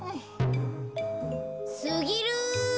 すぎる！